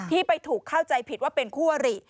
ที่ไปถูกเข้าใจผิดว่าเป็นคู่อริ